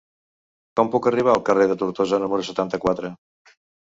Com puc arribar al carrer de Tortosa número setanta-quatre?